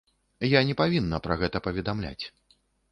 Я не павінна пра гэта паведамляць.